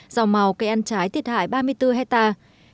dòng màu cây ăn trái thiệt hại ba mươi bốn hectare